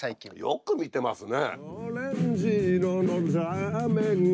よく見てますね。